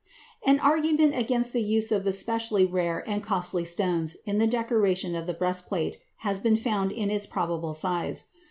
] An argument against the use of especially rare and costly stones in the decoration of the breastplate has been found in its probable size.